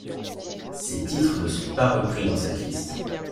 Ces titres ne sont pas repris dans cette liste.